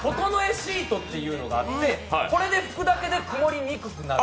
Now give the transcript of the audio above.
シトっていうのがあって、これで拭くだけで曇りにくくなる。